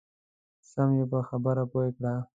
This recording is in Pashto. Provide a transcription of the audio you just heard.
سم یې په خبره پوه کړه.